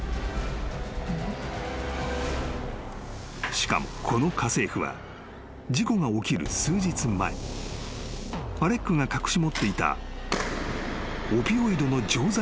［しかもこの家政婦は事故が起きる数日前アレックが隠し持っていた］